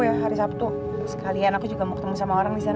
ya itulah ratu sama edgar